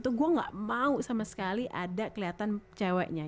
tuh gue gak mau sama sekali ada kelihatan ceweknya